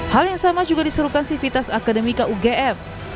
hal yang sama juga disuruhkan sivitas akademika ugm